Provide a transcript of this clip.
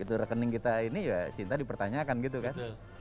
itu rekening kita ini ya cinta dipertanyakan gitu kan